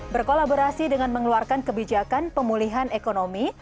berkolaborasi dengan mengeluarkan kebijakan pemulihan ekonomi